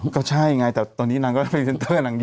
ก็ใช่ไงแต่ตอนนี้นางก็เป็นเซ็นเตอร์นางเยอะ